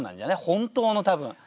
本当の多分。